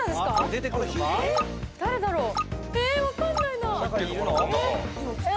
誰だろう？